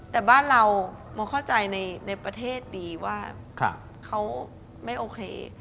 แต่บ้านเรามาเข้าใจในประเทศดีว่าเขาไม่โอเค